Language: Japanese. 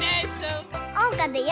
おうかだよ！